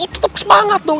tetep semangat dong